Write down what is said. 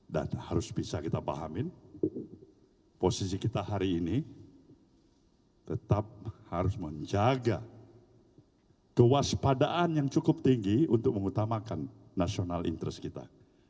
dan harus bisa kita pahamin posisi kita hari ini tetap harus menjaga kewaspadaan yang cukup tinggi untuk mengutamakan national interest kita